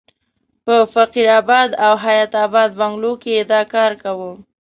په فقیر اباد او حیات اباد بنګلو کې یې دا کار کاوه.